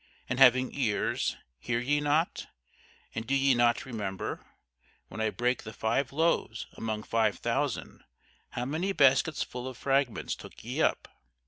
and having ears, hear ye not? and do ye not remember? When I brake the five loaves among five thousand, how many baskets full of fragments took ye up?